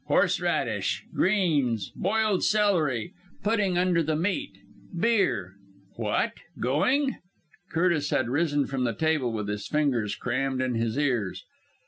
Horseradish! Greens! Boiled celery! Pudding under the meat! Beer! What, going?" Curtis had risen from the table with his fingers crammed in his ears.